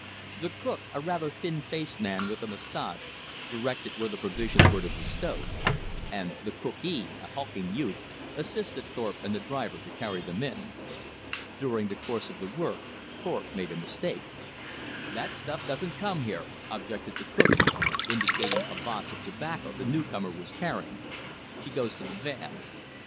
The cook, a rather thin faced man with a mustache, directed where the provisions were to be stowed; and the "cookee," a hulking youth, assisted Thorpe and the driver to carry them in. During the course of the work Thorpe made a mistake. "That stuff doesn't come here," objected the cookee, indicating a box of tobacco the newcomer was carrying. "She goes to the 'van.'"